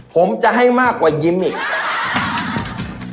ผมจะให้มากกว่ายิ้มอีก